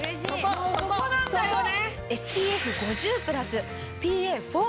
そこなんだよね！